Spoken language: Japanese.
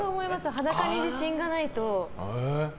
裸に自信がないと。